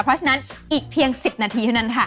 เพราะฉะนั้นอีกเพียง๑๐นาทีเท่านั้นค่ะ